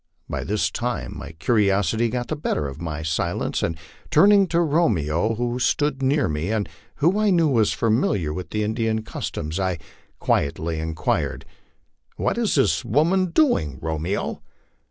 By this time my curiosity got the better of my silence, and turning to Romeo, who stood near me, and who I knew was familiar with Indian customs, I quietly inquired, "What is this woman doing, Romeo?"